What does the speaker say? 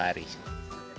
hanya setiap hari